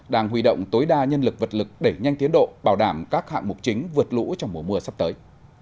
đang huy động tối đa nhân lực vật lực để nhanh tiến độ bảo đảm các hạng mục chính vượt lũ trong mùa mưa sắp tới